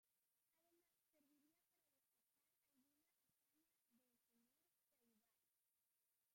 Además servía para destacar alguna hazaña del señor feudal.